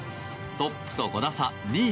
トップと５打差２位